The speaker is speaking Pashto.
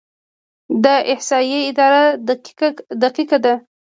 د احصایې اداره دقیقه ده؟